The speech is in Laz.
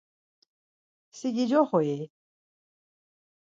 Si gicoxu-i?